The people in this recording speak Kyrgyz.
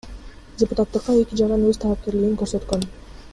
Депутаттыкка эки жаран өз талапкерлигин көрсөткөн.